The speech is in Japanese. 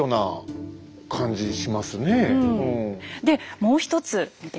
うんでもう一つ見てみましょうか。